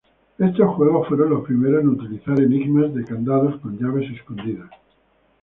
Estos juegos fueron los primeros en utilizar enigmas de candados con llaves escondidas.